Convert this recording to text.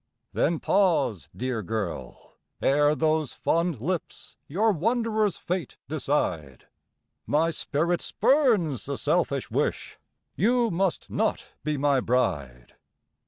Then pause, dear girl! ere those fond lips Your wanderer's fate decide; My spirit spurns the selfish wish You must not be my bride.